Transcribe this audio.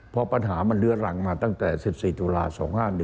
เพราะปัญหามันเลื้อรังมาตั้งแต่๑๔ตุลา๒๕๑